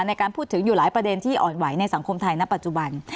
ในการพูดถึงอยู่หลายประเด็นที่อ่อนไหวในสังคมไทยณปัจจุบัน